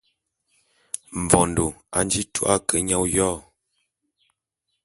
Mvondô a nji tu’a ke nya oyô.